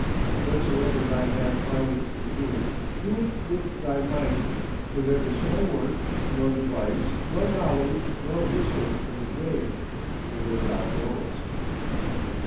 Whatsoever thy hand findeth to do, do it with thy might; for there is no work, nor device, nor knowledge, nor wisdom, in the grave, whither thou goest.